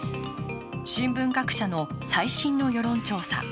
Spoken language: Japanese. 新聞各社の最新の世論調査。